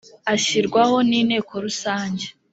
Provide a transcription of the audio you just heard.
ashyirwaho n’inteko rusange